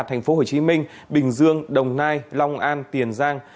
thành phố hồ chí minh bình dương đồng nai long an tiền giang